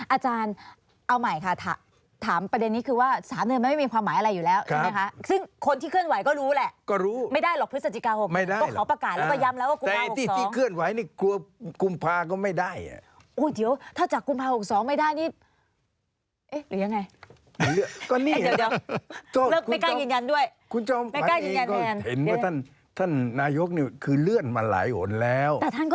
อาจารย์เอาใหม่ค่ะถามประเด็นนี้คือว่าสารเนินมันไม่มีความหมายอะไรอยู่แล้ว